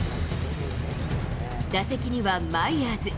打席にはマイヤーズ。